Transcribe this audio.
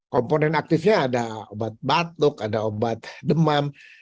komponen aktifnya ada obat batuk ada obat demam